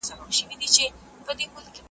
دوهم دا چي څوک آفت وي د دوستانو .